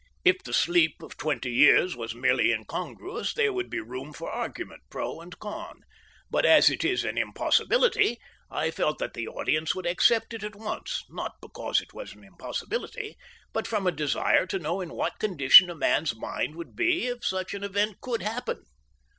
If the sleep of twenty years was merely incongruous, there would be room for argument pro and con; but as it is an impossibility, I felt that the audience would accept it at once, not because it was an impossibility, but from a desire to know in what condition a man's mind would be if such an event could happen.